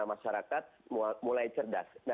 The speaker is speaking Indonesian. nah kecerdasan masyarakat ini penting buat saya